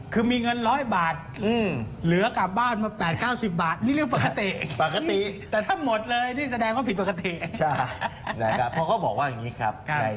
คือมีเงิน๑๐๐บาทเหลือกลับบ้าน๘๙๐บาทนี่เรื่องปกติ